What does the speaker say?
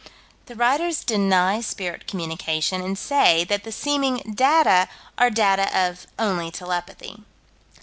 The writers deny spirit communication, and say that the seeming data are data of "only telepathy."